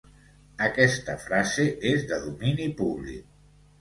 Aquesta frase és de domini públic.